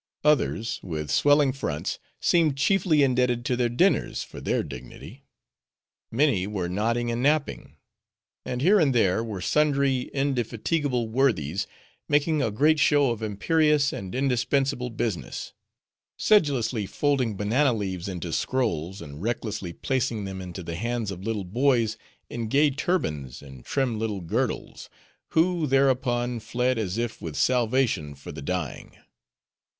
Others, with swelling fronts, seemed chiefly indebted to their dinners for their dignity. Many were nodding and napping. And, here and there, were sundry indefatigable worthies, making a great show of imperious and indispensable business; sedulously folding banana leaves into scrolls, and recklessly placing them into the hands of little boys, in gay turbans and trim little girdles, who thereupon fled as if with salvation for the dying.